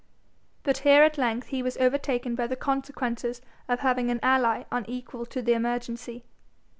But here at length he was overtaken by the consequences of having an ally unequal to the emergency.